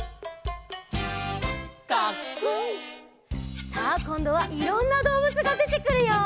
「カックン」さあこんどはいろんなどうぶつがでてくるよ。